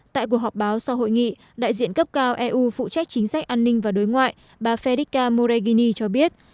tại cuộc họp báo sau hội nghị đại diện cấp cao eu phụ trách chính sách an ninh và đối ngoại bà fedrica moregini cho biết